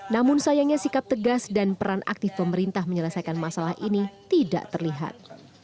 namun sayangnya sikap tegas dan peran aktif pemerintah menyelesaikan masalah ini tidak terlihat